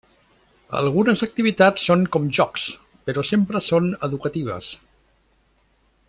Algunes activitats són com jocs, però sempre són educatives.